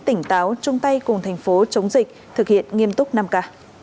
tỉnh táo chung tay cùng thành phố chống dịch thực hiện nghiêm túc năm k